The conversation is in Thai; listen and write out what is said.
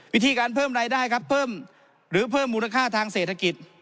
วิธีการเพิ่มรายได้ครับเพิ่มหรือเพิ่มมูลค่าทางเศรษฐกิจ